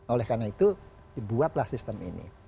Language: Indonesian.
oleh karena itu dibuatlah sistem ini